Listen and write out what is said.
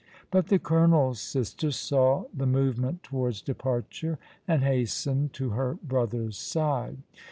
But the colonel's sister saw the movement towards departure, and hastened to her brother's side.